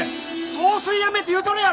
「送水やめ」って言うとるやろ！